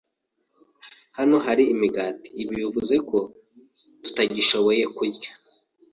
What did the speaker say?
Hano hari imigati. Ibi bivuze ko tutagishoboye kurya.